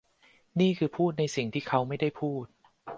นี่คือพูดในสิ่งที่เขาไม่ได้พูด